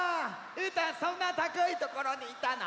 うーたんそんなたかいところにいたの？